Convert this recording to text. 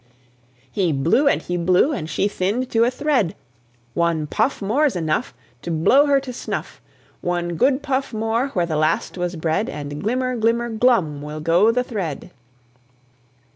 He blew and he blew, and she thinned to a thread. "One puff More's enough To blow her to snuff! One good puff more where the last was bred, And glimmer, glimmer, glum will go the thread."